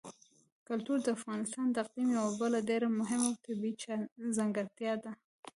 کلتور د افغانستان د اقلیم یوه بله ډېره مهمه او طبیعي ځانګړتیا ده.